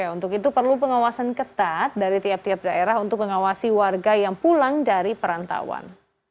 untuk itu perlu pengawasan ketat dari tiap tiap daerah untuk mengawasi warga yang pulang dari perantauan